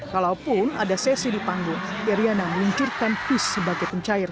kalaupun ada sesi di panggung iryana meluncurkan pis sebagai pencair